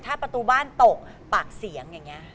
ถ้าประตูบ้านตกปากเสียงอย่างนี้